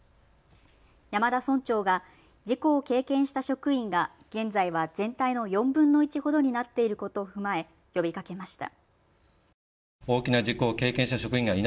山田村長が事故を経験した職員が現在は全体の４分の１ほどになっていることを踏まえ呼びかけました。